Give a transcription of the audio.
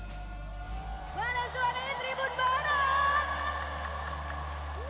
mana suaranya tribun barat